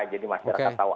jadi masyarakat tahu